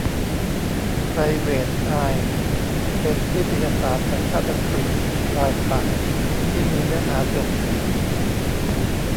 ไพรเวท อายส์ เป็นนิตยสารสัญชาติอังกฤษรายปักษ์ที่มีเนื้อหาเสียดสี